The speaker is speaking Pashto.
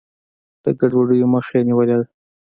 د ګډوډیو مخه یې نیولې ده.